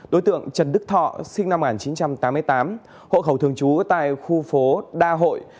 đối tượng trần đức thọ sinh năm một nghìn chín trăm tám mươi tám hộ khẩu thường trú tại khu phố đa hội